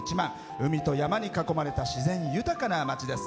海と山に囲まれた自然豊かな町です。